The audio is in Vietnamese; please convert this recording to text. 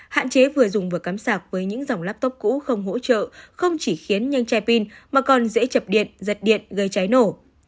hạn chế vừa dùng vừa cắm sạc với những dòng laptop cũ không hỗ trợ không chỉ khiến nhanh chai pin mà còn dễ chập điện giật điện gây cháy nổ